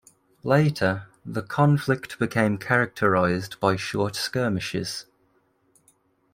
Later, the conflict became characterized by short skirmishes.